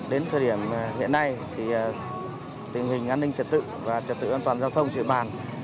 đến thời điểm hiện nay tình hình an ninh trật tự và trật tự an toàn giao thông trên địa bàn